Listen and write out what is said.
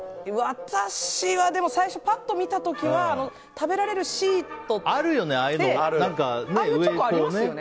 私は最初、ぱっと見た時は食べられるシートってああいうチョコありますよね。